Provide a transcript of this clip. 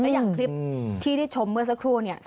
อย่างคลิปที่ได้ชมเมื่อสักครู่เนี่ย